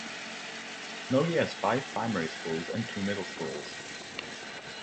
Nogi has five primary schools and two middle schools.